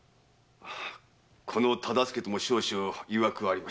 この忠相とも少々曰くがありまして。